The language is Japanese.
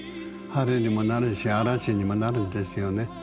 晴れにもなるし嵐にもなるんですよね。